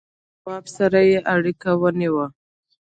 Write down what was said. له ښاغلي شواب سره يې اړيکه ونيوه.